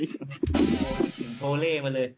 กลุ่มโทล่มาเลย